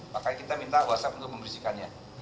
makanya kita minta whatsapp untuk membersihkannya